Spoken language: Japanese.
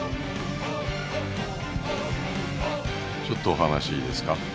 ちょっとお話いいですか？